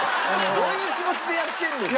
どういう気持ちでやってんねん！